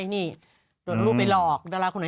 จังหรือเปล่าจังหรือเปล่า